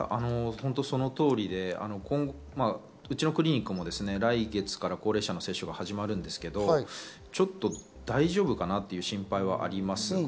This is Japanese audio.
本当にその通りでうちのクリニックも来月から高齢者の接種が始まるんですけど、大丈夫かなという心配はあります。